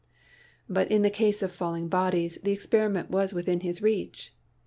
But in the case of falling bodies, the experiment was within his reach.